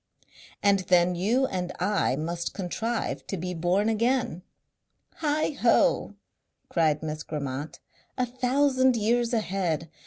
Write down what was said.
"And then you and I must contrive to be born again." "Heighho!" cried Miss Grammont. "A thousand years ahead!